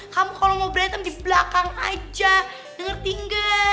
kamu kalau mau berantem di belakang aja ngertingga